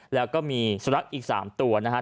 แล้วก็มีสุนัขอีก๓ตัวนะครับ